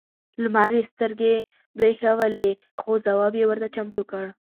لمر یې سترګې برېښولې خو ځواب یې ورته چمتو کړ.